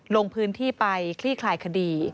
ลงพื้นที่ไปคลี่คลายคดี